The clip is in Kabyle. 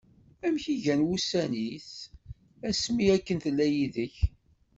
Amek i gan wussan-is, ass mi akken tella yid-k.